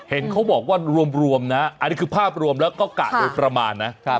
เห็นเขาบอกว่ารวมนะอันนี้คือภาพรวมแล้วก็กะโดยประมาณนะ